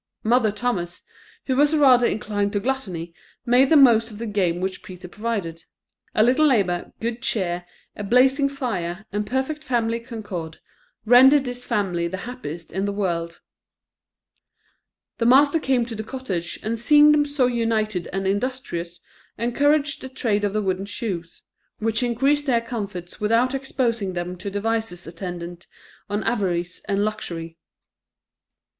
Mother Thomas, who was rather inclined to gluttony, made the most of the game which Peter provided. A little labour, good cheer, a blazing fire, and perfect family concord, rendered this family the happiest in the world. The master came to the cottage, and seeing them so united and industrious, encouraged the trade of the wooden shoes, which increased their comforts without exposing them to the vices attendant on avarice and luxury.